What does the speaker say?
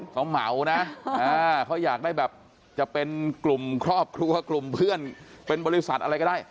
เขาเหมานะเขาอยากได้แบบจะเป็นกลุ่มครอบครัวกลุ่มเพื่อนเป็นบริษัทอะไรก็ได้